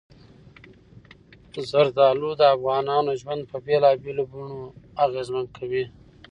زردالو د افغانانو ژوند په بېلابېلو بڼو اغېزمن کوي.